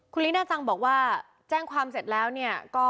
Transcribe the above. คุณลีน่าจังบอกว่าแจ้งความเสร็จแล้วเนี่ย